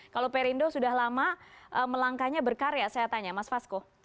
kalau perindo sudah lama melangkahnya berkarya saya tanya mas fasko